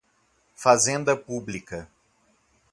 Fazenda Pública